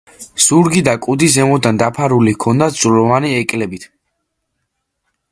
ზურგი და კუდი ზემოდან დაფარული ჰქონდათ ძვლოვანი ეკლებით.